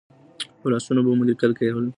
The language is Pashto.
او لاسونه به مو لیکل کوي.